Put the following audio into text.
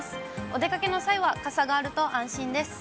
お出かけの際は、傘があると安心です。